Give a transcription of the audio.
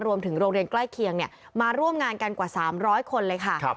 โรงเรียนใกล้เคียงมาร่วมงานกันกว่า๓๐๐คนเลยค่ะ